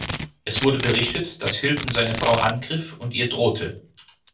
Es wurde berichtet, dass Hilton seine Frau angriff und ihr drohte.